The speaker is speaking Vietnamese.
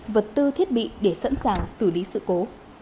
vật tư thiết bị để sẵn sàng xử lý sự cố